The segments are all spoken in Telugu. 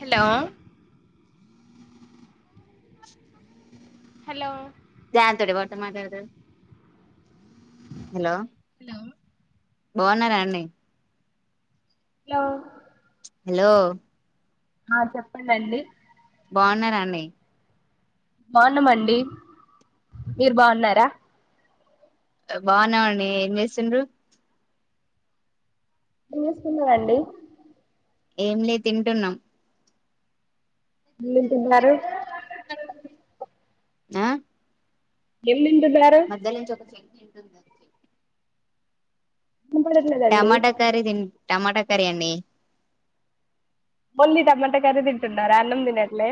హలో [unintelligible] హలో మాట్లాడుత హలో బాగున్నార అండీ హలో హలో ఆ చెప్పండి బాగున్నార అండి బాగున్నామండి మీరు బాగున్నారా బాగున్నామండీ ఏం చేస్తుండ్రు ఏం చేస్తూన్నారండి ఏం లే తింటున్నాం ఏమేం తింటున్నారు ఆ ఏం తింటున్నారు మధ్య నుంచి ఒకటి [inaudible] వినపడట్లేదండి టమాటా కర్రీ తిం టమాటా కర్రీ అండి ఓన్లీ టమాటా కర్రీ తింటున్నార రా అన్నం తిినట్లే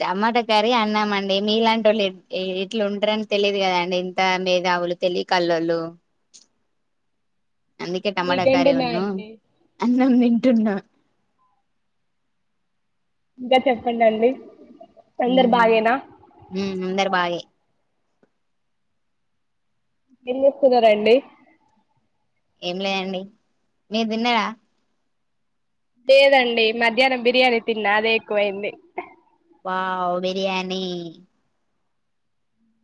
టమాటా కర్రీ అన్నామండి మీ ఇలాంటి వాళ్ళు ఇట్లు ఉంటారని తెలియదు కదాండి ఇంత మేధావులు తెలివి కళ్ళోళ్ళు అందుకే టమాటా మీకేం కర్రీ నూ తిన్నారండి అన్నం తింటున్న ఇంకా చెప్పండి అండి హుమ్ అందరు బాగే ఏం చేస్తున్నారండి ఏం లేదండి మీరు తిన్నార లేదండి మధ్యాహ్నం బిర్యానీ తిన్నా అదే ఎక్కువైంది వావ్ బిర్యానీ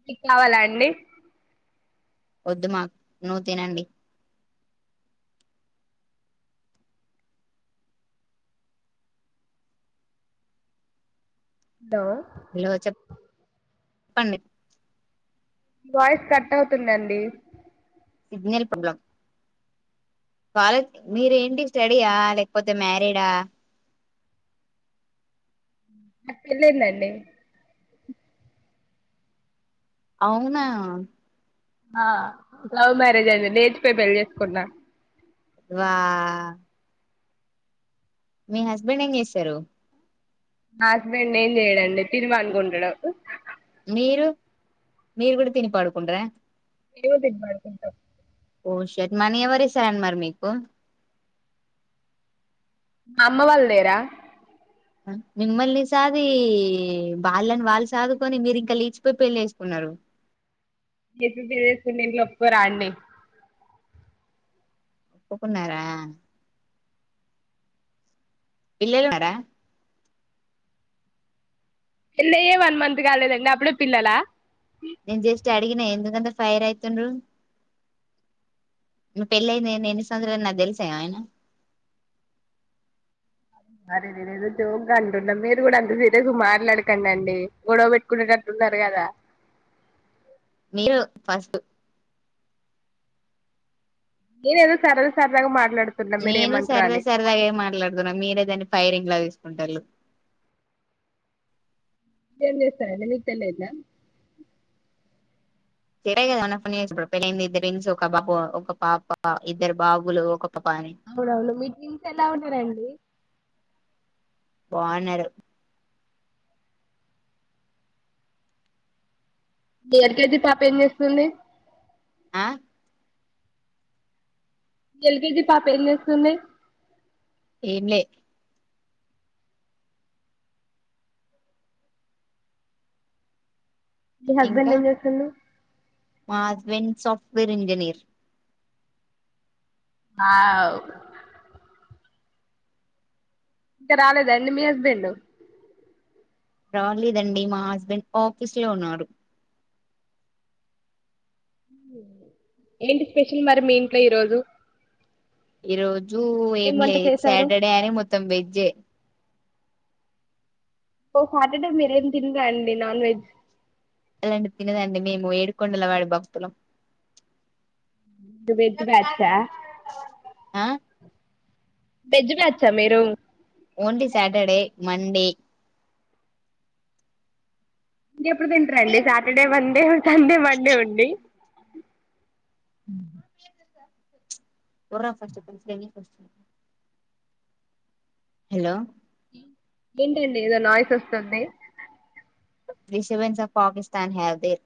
మీకు కావాలా అండి వద్దు మా నువ్వు తినండి తింటావా హలో చె చెప్పండి వాయిస్ కట్ అవుతుందండి సిగ్నల్ ప్రాబ్లం కాలేజ్ మీరేంటి స్టడీయా లేకపోతే మ్యారీడా నాక్ పెళ్లయిందండి అవునా లవ్ మ్యారేజ్ అయింది లేచిపోయి పెళ్లిి చేసుకున్నా వా మీ హస్బెండ్ ఏం చేస్తారు మా హస్బెండ్ ఏం చెయడండి తిని పంకుంటాడు మీరు మీరు కూడా తినిపడుకుంటరా నేను తిని పడుకుంటా ఓ షట్ మనీ ఎవరిస్తారండీ మరి మీకు మా అమ్మ వాల్లేరా మిమ్మల్ని సాది వాళ్ళని వాళ్ళు సాదుకొని మీరు ఇంకా లేచిపోయి పెళ్లిిేసుకున్నారు ఎటుంటే చేసుకుంటే ఇంట్లో ఒప్పుకోరాండి ఒప్పుకున్నారా పిల్లలు [unintelligible] రా పెళ్లయే వన్ మంత్ కాలేదండి అప్పుడే పిల్లల నేను జస్ట్ అడిగినా ఎందుకంత ఫైర్ అయితుండ్రు మీ పెళ్ళయింది ఎన్ని ఎన్ని సంవస్రాలు నాకు తెలుసాయ ఐనా అరె రె ఏదో జోగ్గా అంటున్నా మీరు కూడా అంత సిరియస్గా మాట్లాడకండి అండి గొడవ పెట్టుకునేటట్టున్నారు కదా మీరు ఫస్ట్ నెన్ ఏదో సరద సరదాగా మా నేను సరదా సరదాగే మాట్లాడుతున్నా మీరే దాన్ని ఫైరింగ్ లా తీస్ ఉంటల్లు ఏంచేస్తారండీ మీకు పెళ్లయిందా సరే కదా [unintelligible] పెళ్లంది ఇద్దరు ట్విన్స్ ఒక బాబు ఒక పాప ఇద్దరు బాబులు ఒక పాప అని అవునవును మీ ట్విన్స్ ఎలా ఉన్నారండి బావున్నారు మీ ఎల్కేజీ పాప ఏం చేస్తుంది ఆ ఎల్ కే జి పాప ఏం చేస్తుంది ఏంలే మీ హస్బెండ్ ఇంకా ఏం చేస్తుండు మా హస్బెండ్ స వేర్ ఇంజినీర్ ఆవ్ ఇంకా రాలేదా అండి మీ హస్బెండ్ రాలేదండి మా హస్బెండ్ ఆఫీస్ లో ఉన్నారు ఏంటి స్పెషల్ మరి మీ ఇంట్లో ఈరోజు ఈ రోజు ఏం లే వంట చేశారు సాటర్డే అని మొత్తం వెజ్జే ఓహో సాటర్డేస్ మీరేం తినరా అండి నాన్ వెజ్ ఎలేండి తినదండి మేము ఏడుకొండల వాడి భక్తులం [inaudible] వెజ్ బ్యాచ్చా ఆ వెజ్ బ్యాచ్చా మీరు ఓన్లీ సాటర్డే మండే ఇంకేప్పుడు తింటారండి సాటర్డే మండే ఉన్ సండే మండే ఉండి [inaudible] పోర్రా ఫస్ట్ ఇక్కడినించి దెంగేయ్ ఫస్ట్ హలో ఏంటండి ఏదో నాయిస్ వస్తుంది disturbance of Pakistan have there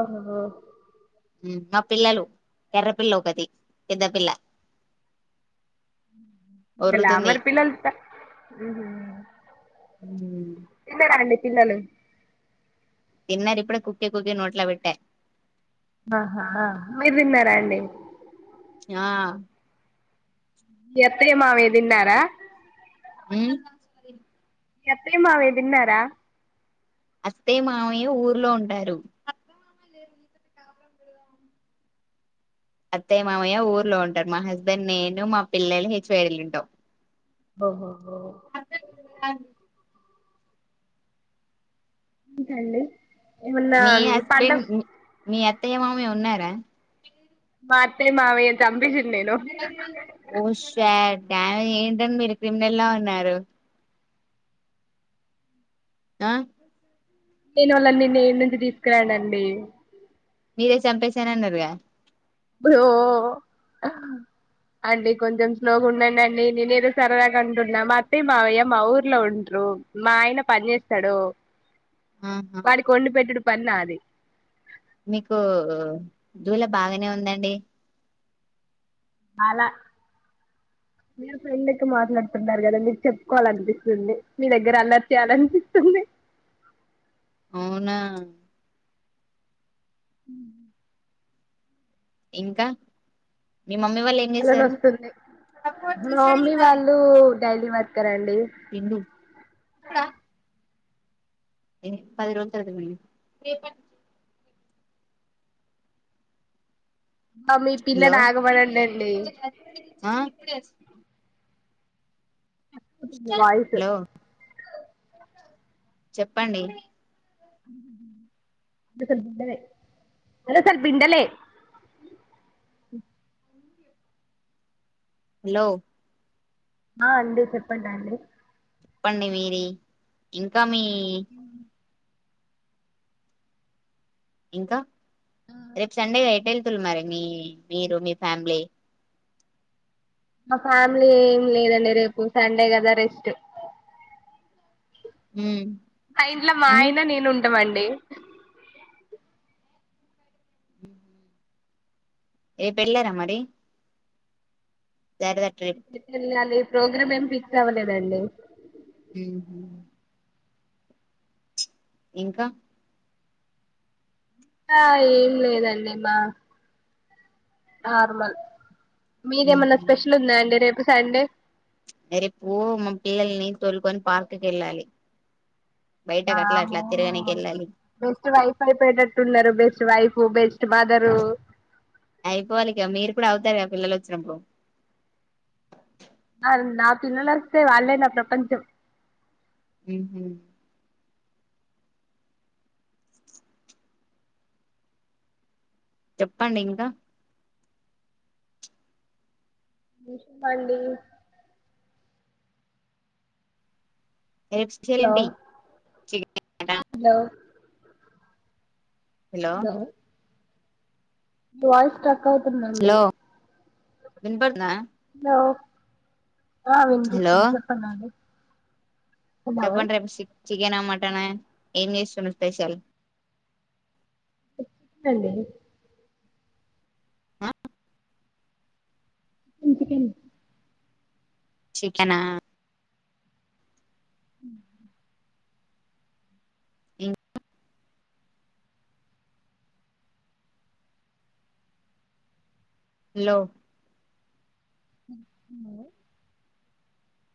ఓహొహో మా పిల్లలు ఎర్రపిల్ల ఒకతి పెద్ద పిల్ల మల్లా ఒర్రుతుంది అవరి పిల్లలు [inaudible] మ్ హు ఏందండి తిన్నారిప్పుడే కుక్కి కుక్కి నోట్లా పెట్టా ఆహా మీరు తిన్నారా అండి ఆ మీ అత్తయ్య మామయ్య తిన్నార మీ అత్తయ్య మామయ్య తిన్నారా అత్తయ్య మామయ్య ఊర్లో ఉంటారు అత్తయ్య మామయ్య ఊర్లో ఉంటారు మా హస్బెండ్ నేను మా పిల్లలు హెచ్వేడలుంటాం ఓహో అ ఇంకా అండి ఏమన్నా మీ పంట హస్బెండ్ మీ అత్తయ మామయ్య ఉన్నార మా అత్తయ్య మావయ్య తంబీ ఓ ష ట్ ఏంటండీ మీరు క్రిమినల్లా ఉన్నారు ఆ నేను వాళ్ళని నేను నుంచి తీసుకురానండి మీరే చంపేసారు అన్నారుగా ఓఅండి కొంచెం స్లోగా ఉండనండి నేనుదో సరదాగా అంటున్నా అత్తయ్య మామయ్య మా ఊర్లో ఉంటరు మా ఆయన పని చేస్తాడు ఆహా వాడి కి వండి పెట్టడం పని నాది మీకు దూల బాగానే ఉందండి అలా మీరు ఫ్రెండ్ లెక్క మాట్లాడుతున్నారు కదా మీకు చెప్పుకోవాలి అనిపిస్తుంది మీ దగ్గర అల్లర్ చేయాలనిపిస్తుంది అవునా అ ఇంకా మీ మమ్మీ వాళ్ళు ఏం అల్లరి చేసారు వస్తుంది మా మమ్మీ వాళ్ళు డైలీ వర్కర్ అండి బిందు ఇప్పుడ ఎప మీ పిల్లని ఆగమనండి హలో కట్ అవుతుంది వాయిస్ హలో చెప్పండి అవ బిండలే అదే స్వల్ బిండలే హలో ఆ అండి చెప్పండి అండి చెప్పండి మీరే ఇంకా మీ ఉ ఇంకా రేపు సండే కదా ఎటు వెళ్తున్నారు మరి మీ మీరు మీ ఫ్యామిలీ మా ఫ్యామిలీ ఏం లేదండి రేపు సండే కదా రెస్ట్ ఊ మా ఇంట్లో మా ఆయన నేను ఉంటామండి దే ఏ పళ్ల రా అ మరి శారదా ట్రిప్ అ అదే ప్రోగ్రామ్ ఏమి ఫిక్స్ అవ్వలేదండి. హ ఇంకా ఆ ఏం లేదండిమ్ మా నార్మల్ మీదేమన్నా ఉహు స్పెషల్ ఉన్నాయాండి రేపు. సండే ర రేపుూ మా పిల్లల్ని తొలుకొని పార్క్కి వెళ్ళాలి బయటకి అట్లా ఆమ అట్లా తిరగనికి వెళ్ళాలి బెస్ట్ వైఫ్ అయిపోయేటట్టున్నారు. బెస్ట్ వైఫ్ బెస్ట్ మదరు అయిపోవాలికి మీర్ ఇప్పుడు అవుతారు ఆ పిల్లలు వచ్చినప్పుడు ఆ, నా పిల్లలు వస్తే వాళ్ళే నా ప్రపంచం. అ చెప్పండి ఇంకా పండి యు హలో ఎడి [unintelligible] హలో హలో వాయిస్ట ఎక్క అవుతుందండి విన్ పడనా నవు ఆ వినిపించంది చెప్పండి అండి. చెప్పండ్రి రేపు సి చికెనా, మటన్ ఏం చేస్తుండ్రు స్పెషల్ ఎత్తండి ఆహ్ ఇంటికెళ్లి చికెనా హ్మ్ హలో ఎట్లున్నవే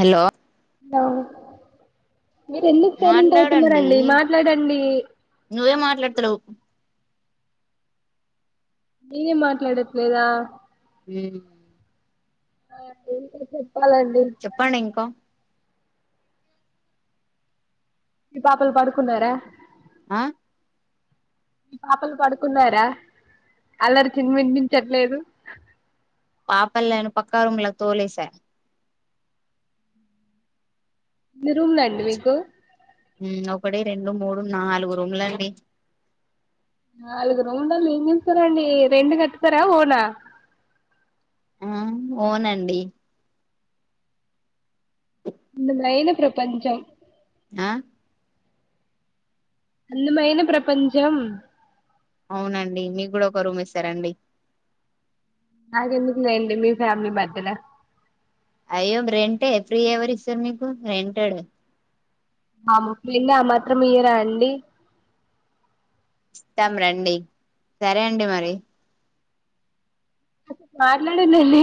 హలో ఆహ్ మీరు ఎందుకు స్టైలెంట్ మాట్లాడండి అవుతునరండి మాట్లాడండి. నువ్వే మాట్లాడతలేవు నేనే మాట్లాడట్లేదా. ఉహ్మ్ ఆ ఏంటండీ చెప్పండి ఇంకా మీ పాపలు పడుకున్నారా ఆ మీ పాపలు పడుకున్నారా అల్లరి మీకు వినిపించట్లేదు పాపల్ని నేను పక్క రూమ్ లోకి తోలేసా మీరూమ్ ఉందండి మీకు ఊ ఒకటి రెండు మూడు నాలుగు రూమ్లండి నాలుగు రూమ్ల లలో ఏం చేస్తారాండి రెంటు కడ్తరా ఓనా ఆ ఓనండి అందమైన ప్రపంచం ఆ అందమైన ప్రపంచం అవునండి మీకు కూడా ఒక రూమ్ ఇస్తారండి నాకు ఎందుకులేండి మీ ఫ్యామిలీ మధ్యల అయ్యో రెంటే ఫ్రీ ఎవరు ఇస్తారు మీకు రెంటేడ్ ఫ్రెండ్ ఆ మాత్రం ఇయ్యరండి ఇస్తాం రండి సరే అండి మరి మాట్లాడండి హె